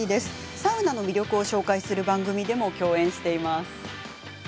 サウナの魅力を紹介する番組でも共演しています。